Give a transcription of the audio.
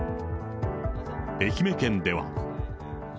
愛媛県では。